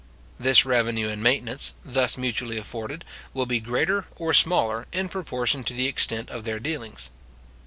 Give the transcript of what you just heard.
This revenue and maintenance, thus mutually afforded, will be greater or smaller, in proportion to the extent of their dealings.